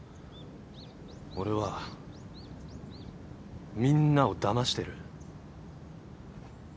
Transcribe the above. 俺はみんなをだましてる。